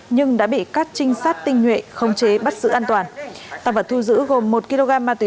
nhưng đã bị các trinh sát tinh nhuệ không chế bắt giữ an toàn tăng vật thu giữ gồm một kg ma túy